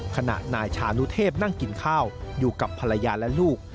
ขณะนายชานุเทพนั่งกินข้าวอยู่กับภรรยาและลูก